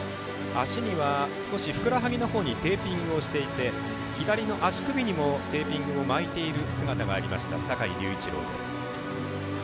足には少しふくらはぎの方にテーピングをしていて左の足首にもテーピングを巻いている姿がある坂井隆一郎です。